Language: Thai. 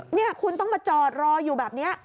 นี่คุณต้องมาจอดรออยู่แบบนี้